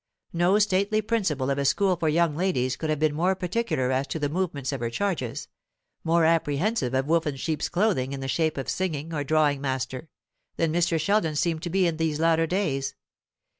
No stately principal of a school for young ladies could have been more particular as to the movements of her charges more apprehensive of wolf in sheep's clothing in the shape of singing or drawing master than Mr. Sheldon seemed to be in these latter days.